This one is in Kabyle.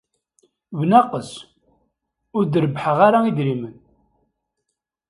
Bnaqes, ur d-rebbḥeɣ ara idrimen.